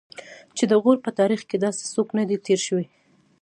چې د غور په تاریخ کې داسې څوک نه دی تېر شوی.